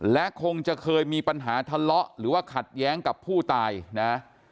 และคงจะเคยมีปัญหาทะเลาะหรือว่าขัดแย้งกับผู้ตายนะ